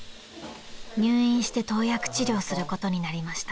［入院して投薬治療することになりました］